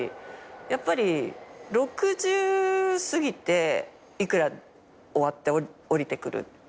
やっぱり６０過ぎていくら終わっておりてくる。